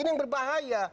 ini yang berbahaya